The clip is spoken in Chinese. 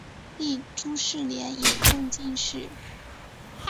弟朱士廉也中进士。